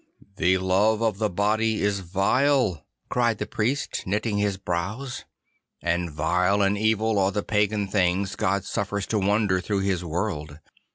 'The love of the body is vile,' cried the Priest, knitting his brows, 'and vile and evil are the pagan things God suffers to wander through His world.